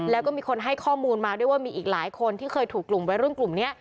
แล้วก็มีคนให้ข้อมูลมาด้วยว่ามีอีกหลายคนที่เคยถูกกลุ่มวัยรุ่นกลุ่มนี้